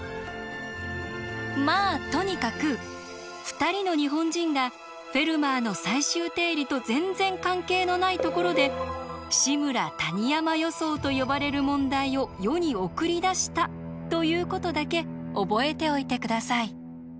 まあとにかく２人の日本人が「フェルマーの最終定理」と全然関係のないところで「志村−谷山予想」と呼ばれる問題を世に送り出したということだけ覚えておいて下さい。